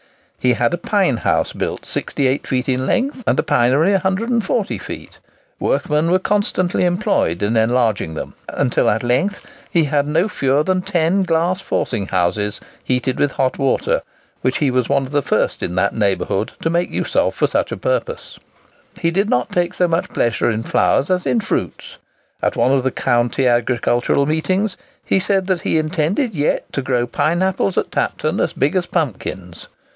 He had a pine house built 68 feet in length and a pinery 140 feet. Workmen were constantly employed in enlarging them, until at length he had no fewer than ten glass forcing houses, heated with hot water, which he was one of the first in that neighbourhood to make use of for such a purpose. He did not take so much pleasure in flowers as in fruits. At one of the county agricultural meetings, he said that he intended yet to grow pineapples at Tapton as big as pumpkins.